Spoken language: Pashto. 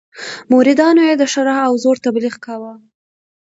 مریدانو یې د ښرا او زور تبليغ کاوه.